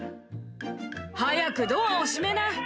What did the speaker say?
早くドアを閉めな。